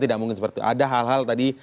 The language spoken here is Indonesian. tidak mungkin seperti ada hal hal tadi